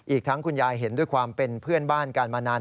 อีกทั้งคุณยายเห็นด้วยความเป็นเพื่อนบ้านกันมานาน